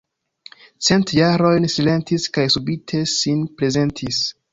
Cent jarojn silentis kaj subite sin prezentis.